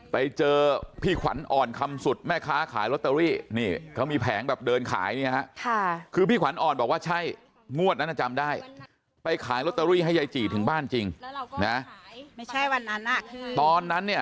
ไปขายล็อตเตอรี่ให้ยายจีถึงบ้านจริงนะไม่ใช่วันนั้นอ่ะตอนนั้นเนี่ย